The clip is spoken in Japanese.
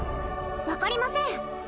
分かりません